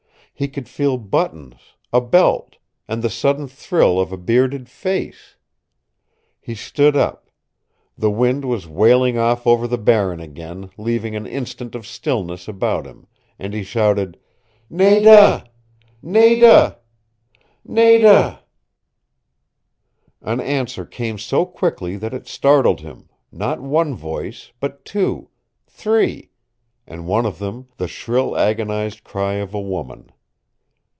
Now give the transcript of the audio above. He could feel buttons, a belt, and the sudden thrill of a bearded face. He stood up. The wind was wailing off over the Barren again, leaving an instant of stillness about him. And he shouted: "Nada Nada Nada!" An answer came so quickly that it startled him, not one voice, but two three and one of them the shrill agonized cry of a woman.